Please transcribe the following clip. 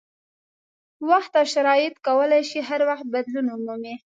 وخت او شرایط کولای شي هر وخت بدلون ومومي.